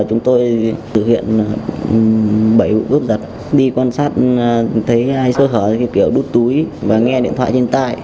chúng tôi thực hiện bảy vụ cướp giật đi quan sát thấy hai sơ hở kiểu đút túi và nghe điện thoại trên tay